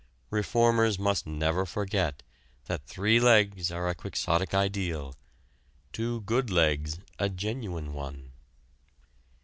Reformers must never forget that three legs are a Quixotic ideal; two good legs a genuine one.